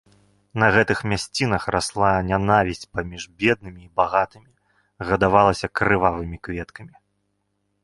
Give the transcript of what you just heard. На гэтых мясцінах расла нянавісць паміж беднымі і багатымі, гадавалася крывавымі кветкамі.